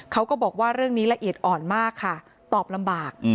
เขาก็บอกว่าเรื่องนี้ละเอียดอ่อนมากค่ะตอบลำบาก